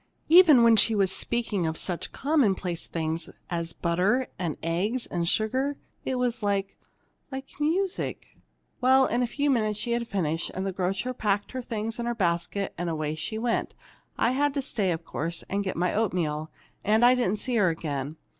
Even when she was speaking of such commonplace things as butter and eggs and sugar, it was like like music! "Well, in a few moments she had finished, and the grocer packed her things in her basket, and she went away. I had to stay, of course, and get my oatmeal, and I didn't see her again.